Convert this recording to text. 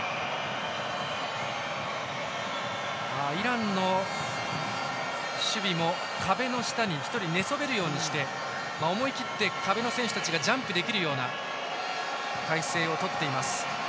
イランの守備も壁も下に１人寝そべるようにして思い切って壁の選手たちがジャンプできるような態勢をとっています。